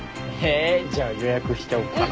えじゃあ予約しちゃおうかな。